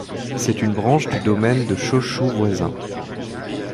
C'est une branche du domaine de Chōshū voisin.